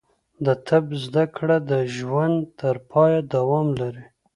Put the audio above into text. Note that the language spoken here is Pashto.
د طب زده کړه د ژوند تر پایه دوام لري.